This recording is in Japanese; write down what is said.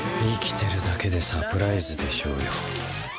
生きてるだけでサプライズでしょうよ。